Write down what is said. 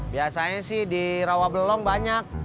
biasanya sih di rawa belong banyak